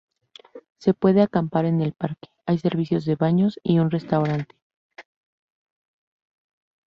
Se puede acampar en el parque, hay servicios de baños y un restaurante.